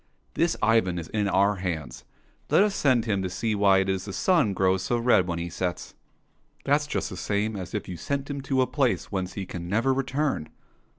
'* This Ivan is in our hands ; let us send him to see why it is the sun grows so red when he sets." —" That's just the same as if you sent him to a place whence he can never return."